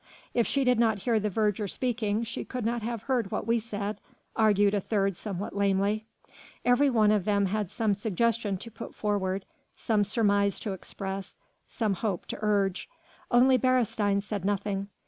"If she did not hear the verger speaking she could not have heard what we said," argued a third somewhat lamely. Every one of them had some suggestion to put forward, some surmise to express, some hope to urge. Only Beresteyn said nothing.